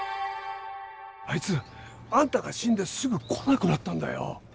あいつあんたが死んですぐ来なくなったんだよ。